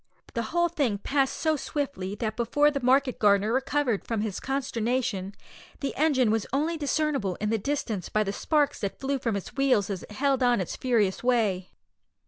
The whole thing passed so swiftly that before the market gardener recovered from his consternation the engine was only discernible in the distance by the sparks that flew from its wheels as it held on in its furious way.